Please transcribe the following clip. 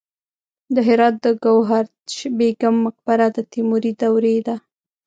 د هرات د ګوهردش بیګم مقبره د تیموري دورې ده